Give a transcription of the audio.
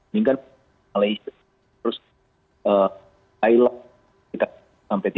mungkin malaysia terus thailand sampai tiga belas